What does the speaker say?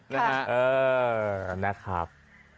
นะฮะเออนะครับ